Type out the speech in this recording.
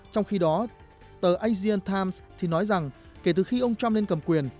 trong khi đó tờ asian times thì nói rằng kể từ khi ông trump lên cầm quyền